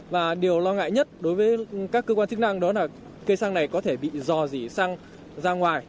và điều lo ngại nhất đối với các cơ quan chức năng đó là cây xăng này có thể bị dò dỉ xăng ra ngoài